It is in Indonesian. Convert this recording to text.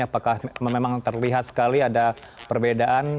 apakah memang terlihat sekali ada perbedaan